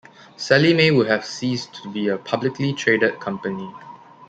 Sallie Mae would have ceased to be a publicly traded company.